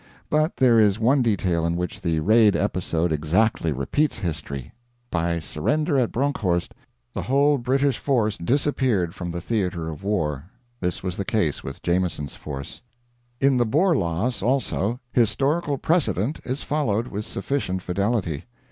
But there is one detail in which the Raid episode exactly repeats history. By surrender at Bronkhorst, the whole British force disappeared from the theater of war; this was the case with Jameson's force. In the Boer loss, also, historical precedent is followed with sufficient fidelity.